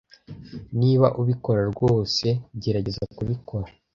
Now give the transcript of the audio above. Niba ubikora rwose, gerageza kubikora